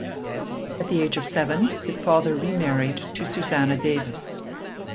At the age of seven his father remarried to Susanna Davis.